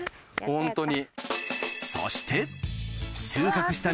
ホントに。